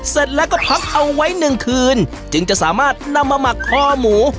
เสร็จแล้วก็พักเอาไว้หนึ่งคืนจึงจะสามารถนำมาหมักคอหมู